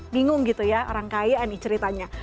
bingung gitu ya orang kaya nih ceritanya